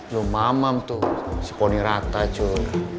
loh mamam tuh si poni rata cur